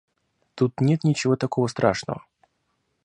Тут нет ничего такого страшного.